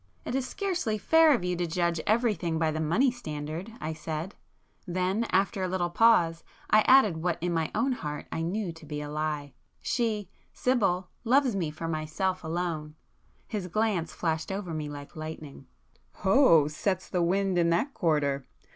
"It is scarcely fair of you to judge everything by the money standard,"—I said,—then, after a little pause I added what in my own heart I knew to be a lie,—"She,—Sibyl,—loves me for myself alone." His glance flashed over me like lightning. "Oh!—sets the wind in that quarter!